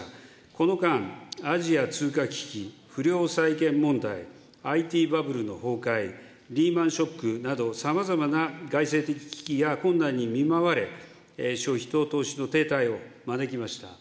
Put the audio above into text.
この間、アジア通貨危機、不良債権問題、ＩＴバブルの崩壊、リーマンショックなど、さまざまな外生的危機や困難に見舞われ、消費と投資の停滞を招きました。